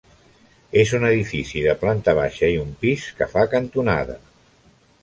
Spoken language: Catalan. És un edifici de planta baixa i un pis que fa cantonada.